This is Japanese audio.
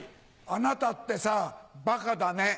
あなたってさバカだね。